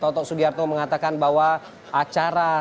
toto sugiarto mengatakan bahwa acara